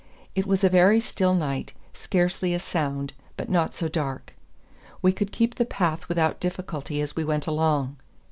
It was a very still night, scarcely a sound, but not so dark. We could keep the path without difficulty as we went along.